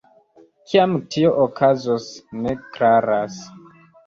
Kiam tio okazos, ne klaras.